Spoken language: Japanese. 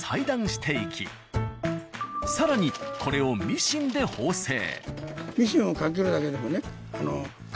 更にこれをミシンで縫製。